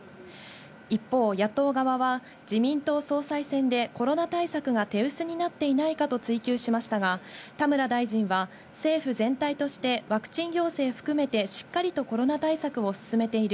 一方、野党側は自民党総裁選でコロナ対策が手薄になっていないかと追及しましたが、田村大臣は政府全体としてワクチン行政含めてしっかりとコロナ対策を進めている。